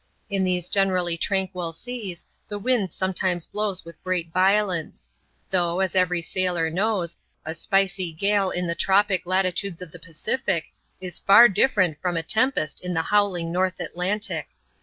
In these generally tranquil seas, the wind sometimes blows with great violence ; though, as every sailor knows, a spicy gale in the tropic latitudes of the Pacific is far different from a tempest in the howling North Atlantic.